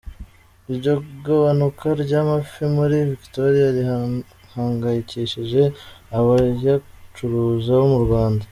Iryo gabanuka ry’amafi muri Victoria rihanahangayikishije abayacuruza bo mu Rwanda.